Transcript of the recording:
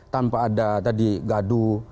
tanpa ada tadi gaduh